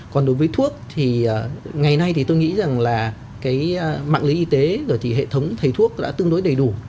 còn đối với thuốc thì ngày nay thì tôi nghĩ rằng là cái mạng lưới y tế rồi thì hệ thống thầy thuốc đã tương đối đầy đủ